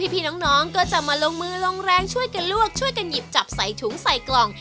พี่น้องก็จะมาลงมือลงแรงช่วยกันลวกช่วยกันหยิบจับใส่ถุงใส่กล่อง